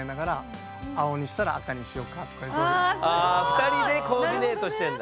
２人でコーディネートしてんだ。